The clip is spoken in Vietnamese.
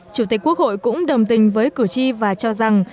chủ tịch quốc hội cũng đồng tình với cử tri và cho rằng